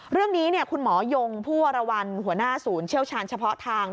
เรื่องนี้คุณหมอยงผู้วรวรรณหัวหน้าศูนย์เชี่ยวชาญเฉพาะทาง